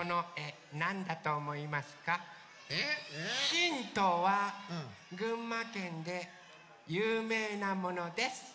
ヒントは群馬県でゆうめいなものです。